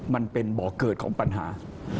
มันเป็นบ่อเกิดของปัญหา